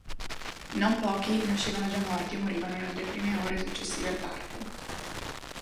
Non pochi nascevano già morti o morivano nelle prime ore successive al parto.